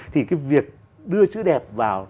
thì cái việc đưa chữ đẹp vào